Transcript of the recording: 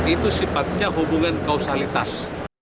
itu sifatnya hubungan kausalitas